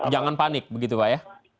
jangan panik begitu pak ya